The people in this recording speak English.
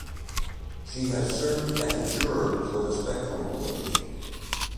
She has served as a juror for the Spectrum Awards.